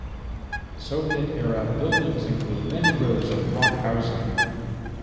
Soviet-era buildings include many rows of block housing.